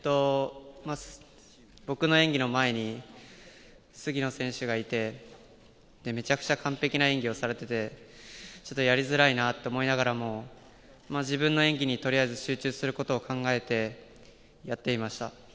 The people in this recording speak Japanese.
僕の演技の前に杉野選手がいて、めちゃくちゃ完璧な演技をされていて、ちょっとやりづらいなと思いながらも自分の演技に集中することを考えてやっていました。